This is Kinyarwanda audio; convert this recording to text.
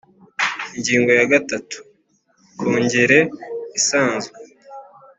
Ingingo ya gatatu Kongere isanzwe